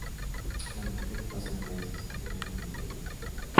Las mujeres pasan meses en aislamiento total.